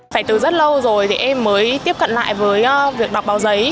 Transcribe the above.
phải từ rất lâu rồi thì em mới tiếp cận lại với việc đọc báo giấy